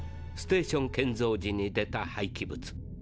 ステーション建造時に出たはいき物。